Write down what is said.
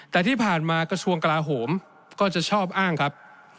แต่ที่ผ่านมากระทรวงกลาโหมก็จะชอบอ้างครับ